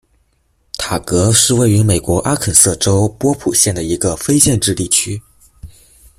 塔格是位于美国阿肯色州波普县的一个非建制地区。